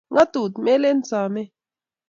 Ngatut melen someet